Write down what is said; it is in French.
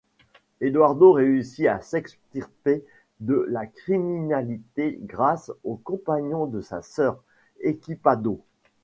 Eduardo réussit à s'extirper de la criminalité grâce au compagnon de sa sœur, Equipado.